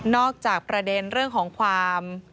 จากประเด็นเรื่องของความ